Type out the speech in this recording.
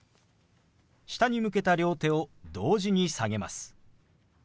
下に向けた両手を同時に下げます。